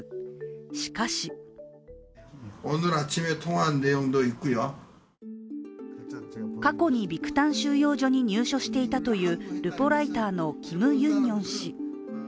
しかし過去にビクタン収容所に入所していたというルポライターのキム・ユンニョン氏。